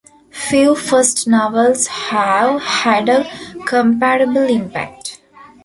Few first novels have had a comparable impact.